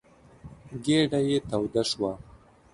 ګېډه يې توده شوه.